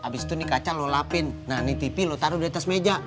di situ nih kaca lo lapin nah nih tv lo taruh di atas meja